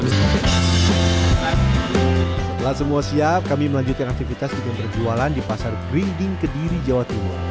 setelah semua siap kami melanjutkan aktivitas untuk perjualan di pasar grinding kediri jawa timur